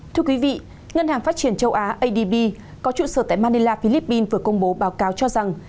thưa quý vị ngân hàng phát triển châu á adb có trụ sở tại manila philippines vừa công bố báo cáo cho rằng